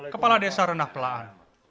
kepala desa renah pelahan